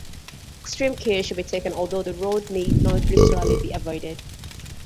Extreme care should be taken, although the road need not necessarily be avoided.